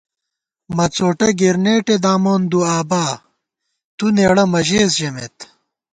مڅوٹہ گِرنېٹےدامون دُوآبا ، تُو نېڑہ مہ ژېس ژَمېت